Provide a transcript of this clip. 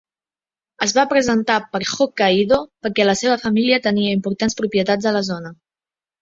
Es va presentar per Hokkaido perquè la seva família tenia importants propietats a la zona.